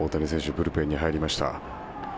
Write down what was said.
ブルペンに入りました。